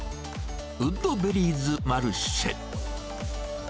ウッドベリーズマルシェ。